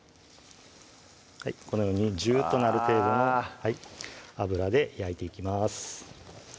はいこのようにジューッと鳴る程度の油で焼いていきます